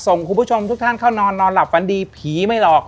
คุณผู้ชมทุกท่านเข้านอนนอนหลับฝันดีผีไม่หลอก